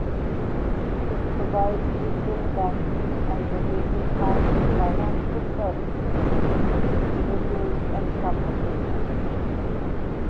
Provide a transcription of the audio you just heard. It provides retail banking and related financial services to individuals and companies.